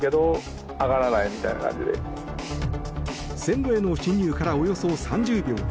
線路への進入からおよそ３０秒。